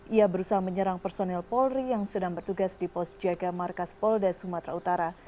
ia berusaha menyerang personel polri yang sedang bertugas di pos jaga markas polda sumatera utara